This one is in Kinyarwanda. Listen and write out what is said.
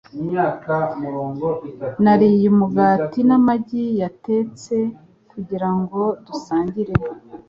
Nariye umugati n'amagi yatetse kugirango dusangire.